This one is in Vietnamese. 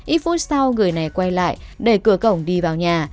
ít phút sau người này quay lại đẩy cửa cổng đi vào nhà